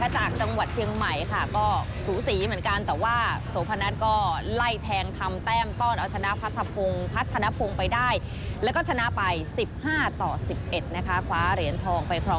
จากจังหวัดเชียงใหม่ค่ะก็ศูสีเหมือนกันแต่ว่าโถพนัทก็ไล่แทงทำแต้งต้อน